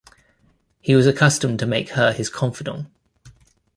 He was accustomed to make her his confidant.